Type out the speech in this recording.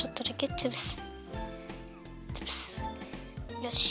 よし。